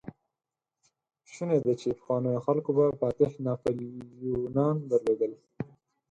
شونې ده، چې پخوانيو خلکو به فاتح ناپليونان درلودل.